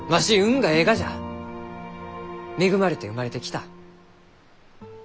恵まれて生まれてきた。